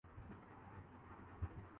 سورج ل کا منظر تھا